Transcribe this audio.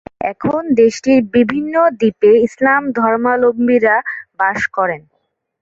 এখন দেশটির বিভিন্ন দ্বীপে ইসলাম ধর্মাবলম্বীরা বাস করেন।